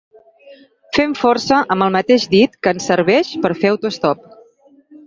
Fem força amb el mateix dit que ens serveix per fer autoestop.